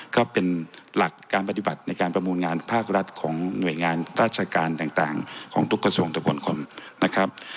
ก็เป็นหลักการปฏิบัติในการประมูลงานภาครัฐของหน่วยงานราชการต่างของทุกกระทรวงตะบนคนนะครับ